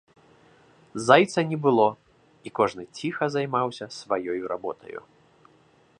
Зайца не было, і кожны ціха займаўся сваёю работаю.